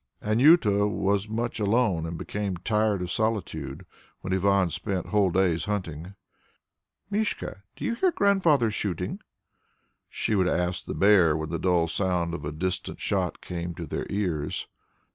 Anjuta was much alone and became tired of solitude, when Ivan spent whole days hunting. "Mischka, do you hear Grandfather shooting?" she would ask the bear when the dull sound of a distant shot came to their ears.